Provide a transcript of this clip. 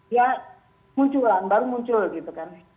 ya munculan baru muncul gitu kan